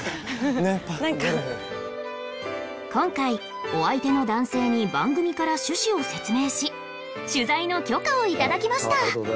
今回お相手の男性に番組から趣旨を説明し取材の許可を頂きました